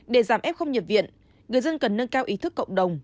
để giảm f không nhập viện người dân cần nâng cao ý thức cộng đồng